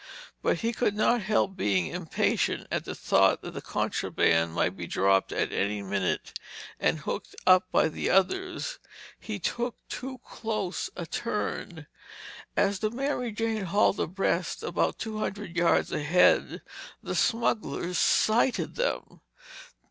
But he could not help being impatient at the thought that the contraband might be dropped at any minute and hooked up by the others. He took too close a turn. As the Mary Jane hauled abreast about two hundred yards ahead, the smugglers sighted them.